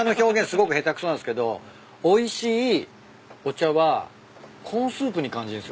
すごく下手くそなんすけどおいしいお茶はコーンスープに感じるんすよ俺。